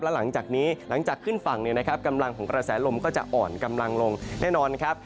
และหลังจากนี้หลังจากขึ้นฝั่งเนี่ยนะครับกำลังของกระแสลมก็จะอ่อนกำลังลงแน่นอนครับ